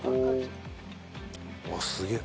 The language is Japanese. あっすげえ。